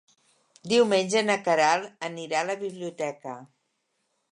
Diumenge na Queralt anirà a la biblioteca.